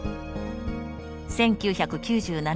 １９９７年